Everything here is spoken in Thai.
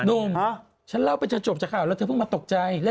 หนุ่มฉันเล่าไปจนจบจากข่าวแล้วเธอเพิ่งมาตกใจ